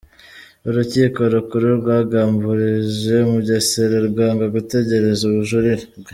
Urukiko Rukuru rwagamburuje Mugesera rwanga gutegereza ubujurire bwe